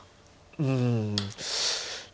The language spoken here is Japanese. うん。